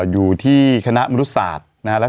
อยู่ที่คณะมรุษศาสตร์นะฮะ